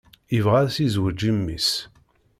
Yebɣa ad s-yezweǧ i mmi-s.